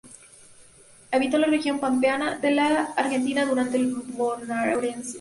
Habitó en la región Pampeana de la Argentina durante el Bonaerense.